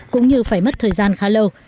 cũng như phải mất thời gian khá lâu